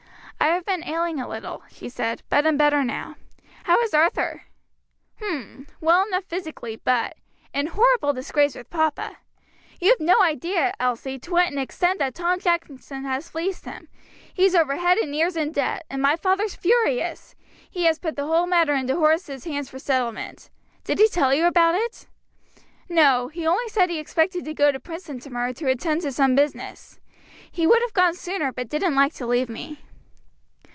"I have been ailing a little," she said, "but am better now. How is Arthur?" "H'm! well enough physically, but in horrible disgrace with papa. You've no idea, Elsie, to what an extent that Tom Jackson has fleeced him. He's over head and ears in debt, and my father's furious. He has put the whole matter into Horace's hands for settlement. Did he tell you about it?" "No, he only said he expected to go to Princeton to morrow to attend to some business. He would have gone sooner, but didn't like to leave me."